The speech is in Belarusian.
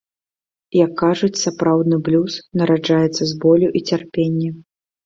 Як кажуць, сапраўдны блюз нараджаецца з болю і цярпення.